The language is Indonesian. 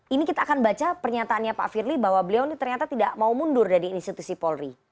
ini kita akan baca pernyataannya pak firly bahwa beliau ini ternyata tidak mau mundur dari institusi polri